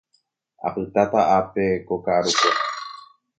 Apytáta ápe ko ka'arukue.